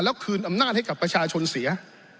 แล้วคืนอำนาจให้กับประชาชนเสีย